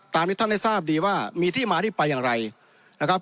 ที่ท่านได้ทราบดีว่ามีที่มาที่ไปอย่างไรนะครับ